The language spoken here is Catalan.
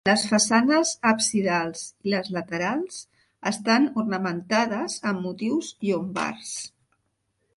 Les façanes absidals i les laterals estan ornamentades amb motius llombards.